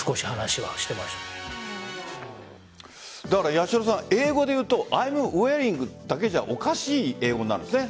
八代さん、英語で言うとＩ’ｍｗｅａｒｉｎｇだけじゃおかしい英語になるんですね。